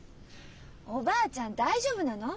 おばあちゃん大丈夫なの？